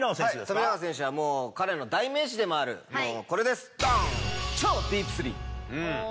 富永選手は彼の代名詞でもあるこれですドン！